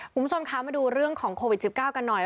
คุณผู้ชมคะมาดูเรื่องของโควิด๑๙กันหน่อย